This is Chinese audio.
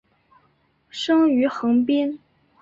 生于横滨。